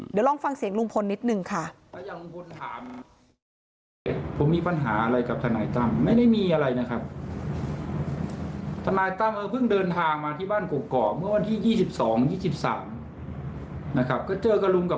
เดี๋ยวลองฟังเสียงลุงพลนิดนึงค่ะ